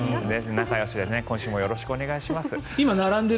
仲よしで今週もよろしくお願いします。